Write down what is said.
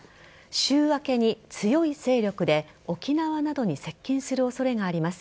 週明けに強い勢力で沖縄などに接近する恐れがあります。